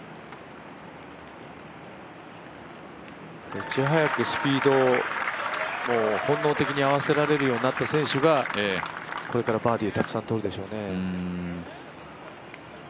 いち早くスピードを本能的に合わせられるようになった選手がこれからバーディーたくさんとるでしょうね。